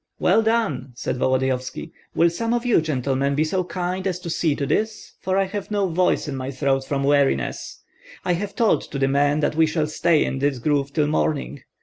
"Well done!" said Volodyovski. "Will some of you, gentlemen, be so kind as to see to this, for I have no voice in my throat from weariness? I have told the men that we shall stay in this grove till morning.